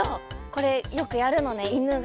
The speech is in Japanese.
これよくやるのねいぬが。